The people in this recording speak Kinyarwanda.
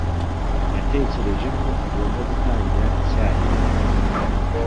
Yatekereje ko agomba gutangira icyarimwe.